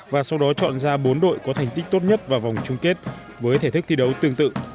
và sau đó chọn ra bốn đội có thành tích tốt nhất vào vòng chung kết với thể thức thi đấu tương tự